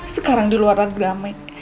sekarang di luar agama